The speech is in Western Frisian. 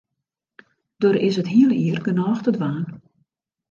Der is it hiele jier genôch te dwaan.